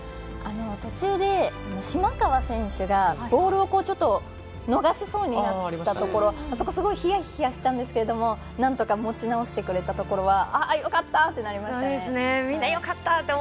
途中で島川選手がボールを逃しそうになったところすごいひやひやしたんですけどなんとか持ち直してくれたところはよかったってなりましたね。